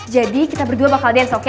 jadi kita berdua bakal berniak itu oke